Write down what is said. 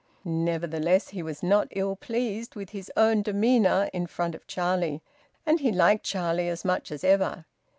Nevertheless he was not ill pleased with his own demeanour in front of Charlie. And he liked Charlie as much as ever.